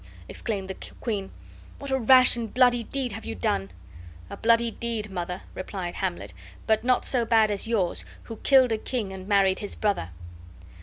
exclaimed the queen, "what a rash and bloody deed have you done!" "A bloody deed, mother," replied Hamlet, "but not so bad as yours, who killed a king, and married his brother."